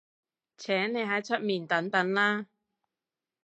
請你喺出面等等啦